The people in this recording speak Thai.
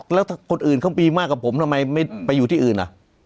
แล้วถ้าคนอื่นเขามีมากกว่าผมทำไมไม่ไปอยู่ที่อื่น